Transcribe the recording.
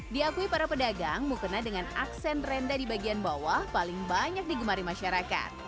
diakui para pedagang mukena dengan aksen rendah di bagian bawah paling banyak digemari masyarakat